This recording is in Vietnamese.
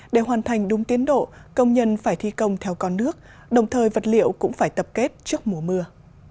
để hoàn thành đúng tiến độ công nhân phải thi công theo con nước đồng thời vật liệu cũng phải tập kết trước mùa mưa